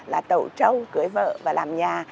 là tẩu trâu cưới vợ và làm nhà